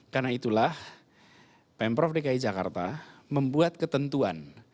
karena itulah pemprov dki jakarta membuat ketentuan